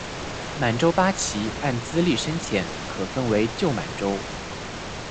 满洲八旗按资历深浅可分为旧满洲。